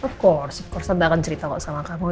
tentu saja tante akan cerita sama kamu